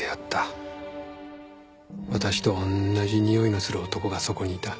私と同じにおいのする男がそこにいた。